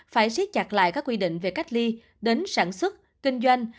phải siết chặt lại các quy định về cách ly đến sản xuất kinh doanh